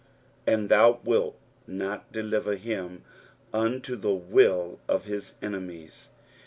'^And thou tcilt not delker hin nnto Che urUl of hit enemies."